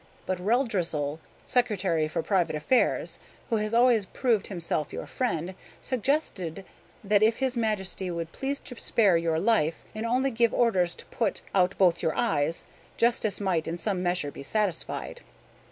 But Reldresal, secretary for private affairs, who has always proved himself your friend suggested that if his Majesty would please to spare your life and only give orders to put out both your eyes, justice might in some measure be satisfied.